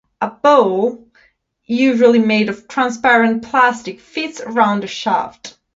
A bowl, usually made of transparent plastic, fits around the shaft.